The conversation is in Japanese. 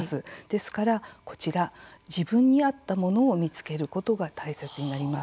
ですから、こちら自分に合ったものを見つけることが大切になります。